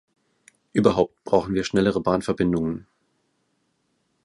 Überhaupt brauchen wir schnellere Bahnverbindungen.